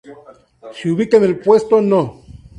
Se ubicaba en el puesto No.